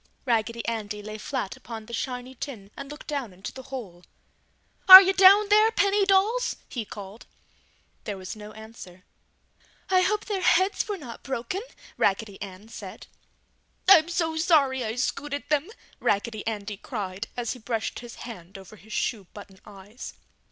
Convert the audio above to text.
Raggedy Andy lay flat upon the shiny tin and looked down into the hole. "Are you down there, penny dolls?" he called. There was no answer. "I hope their heads were not broken!" Raggedy Ann said. [Illustration: In the gutter] "I'm so sorry I scooted them!" Raggedy Andy cried, as he brushed his hand over his shoe button eyes.